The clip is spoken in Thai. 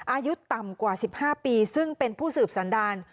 อายุต่ำกว่า๑๕ปีซึ่งเป็นผู้สืบสันดาร